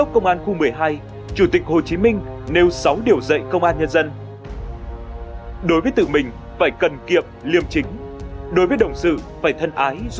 công an nhân dân